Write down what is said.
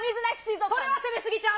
それは攻め過ぎちゃう？